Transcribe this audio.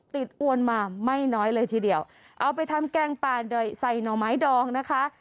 อวนมาไม่น้อยเลยทีเดียวเอาไปทำแกงป่าใส่หน่อไม้ดองนะคะ